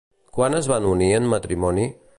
Quan es van unir en matrimoni?